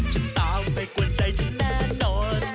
จะตามไปกวนใจจะแน่นอนแน่นอน